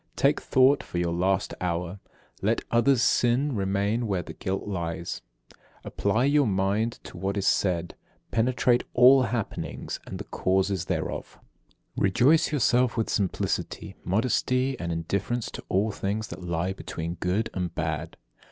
Take thought for your last hour. Let another's sin remain where the guilt lies. 30. Apply your mind to what is said. Penetrate all happenings and the causes thereof. 31. Rejoice yourself with simplicity, modesty, and indifference to all things that lie between good and bad.